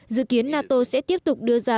dự kiến nato sẽ tiếp tục đưa ra